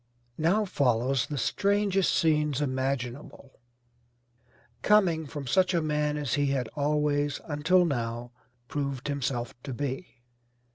Now follows the strangest scenes imaginable, coming from such a man as he had always, until now, proved himself to be.